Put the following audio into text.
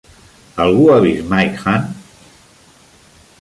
Algú ha vist Mike Hunt?